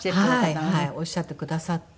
おっしゃってくださって。